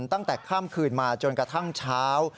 ตั้งแต่ข้ามคืนมาจนกระทั่งเช้า